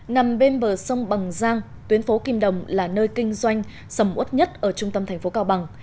nằm bên bờ sông bằng giang tuyến phố kim đồng là nơi kinh doanh sầm út nhất ở trung tâm thành phố cao bằng